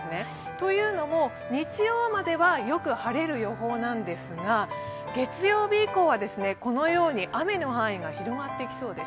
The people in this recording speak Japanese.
というのも、日曜まではよく晴れる予報なんですが、月曜日以降は雨の範囲が広がってきそうです。